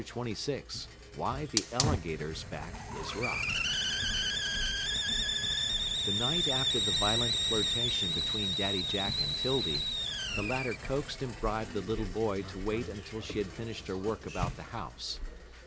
XXVI WHY THE ALLIGATOR'S BACK IS ROUGH The night after the violent flirtation between Daddy Jack and 'Tildy, the latter coaxed and bribed the little boy to wait until she had finished her work about the house.